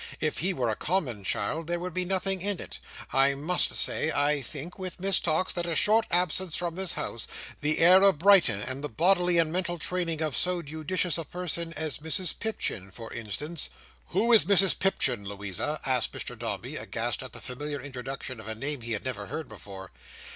If he were a common child, there would be nothing in it. I must say I think, with Miss Tox, that a short absence from this house, the air of Brighton, and the bodily and mental training of so judicious a person as Mrs Pipchin for instance—" "Who is Mrs Pipchin, Louisa?" asked Mr Dombey; aghast at this familiar introduction of a name he had never heard before.